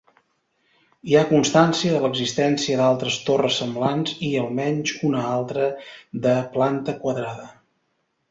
Hi ha constància de l'existència d'altres torres semblants i almenys una altra de planta quadrada.